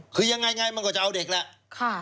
คือยังไงมันก็จะเอาเด็กแหละ